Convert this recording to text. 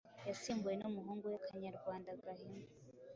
yasimbuwe n’umuhungu we Kanyarwanda Gahima